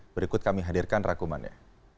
berikut kami hadirkan rakumannya